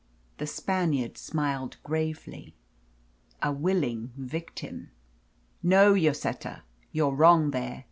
The Spaniard smiled gravely. "A willing victim!" "No, Lloseta, you're wrong there.